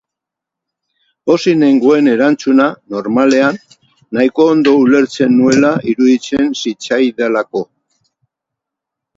Pozik nengoen erantzuna, normalean, nahiko ondo ulertzen nuela iruditzen zitzaidalako.